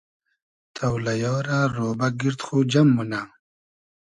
تۆلئیا رۂ رۉبۂ گیرد خو جئم مونۂ